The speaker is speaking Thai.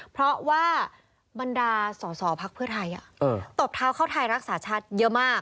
เพราะว่าบรรดาสอสอพักเพื่อไทยตบเท้าเข้าไทยรักษาชาติเยอะมาก